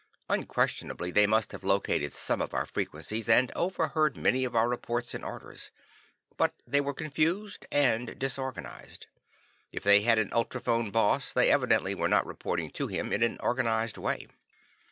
Unquestionably they must have located some of our frequencies, and overheard many of our reports and orders. But they were confused and disorganized. If they had an Ultrophone Boss they evidently were not reporting to him in an organized way.